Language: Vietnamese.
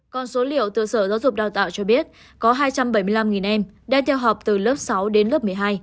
con số liệu từ sở giáo dục đào tạo cho biết có hai trăm bảy mươi năm em đang theo học từ lớp sáu đến lớp một mươi hai